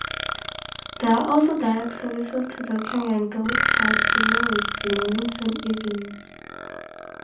There are also direct services to Dorking and Guildford during weekday mornings and evenings.